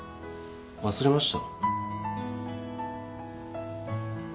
忘れました。